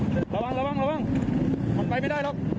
จัด